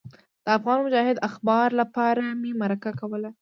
د افغان مجاهد اخبار لپاره مې مرکه کوله.